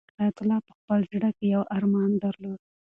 حیات الله په خپل زړه کې یو ارمان درلود.